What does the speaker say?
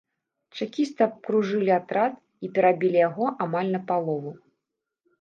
Чэкісты абкружылі атрад і перабілі яго амаль напалову.